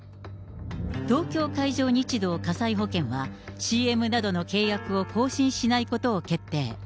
東京海上日動火災保険は、ＣＭなどの契約を更新しないことを決定。